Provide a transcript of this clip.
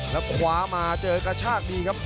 แล้วคว้ามาเจอกระชากดีครับ